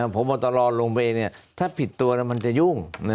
ผมเอาตลอดลงไปเนี่ยถ้าผิดตัวมันจะยุ่ง